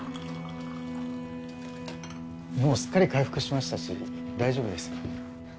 もうすっかり回復しましたし大丈夫です。